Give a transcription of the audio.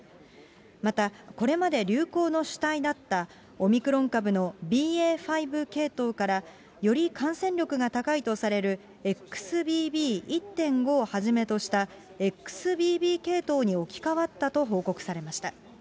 また、これまで流行の主体だったオミクロン株のＢＡ．５系統からより感染力が高いとされるＸＢＢ．１．５をはじめとしたＸＢＢ．系統に置き換わったと報告されました。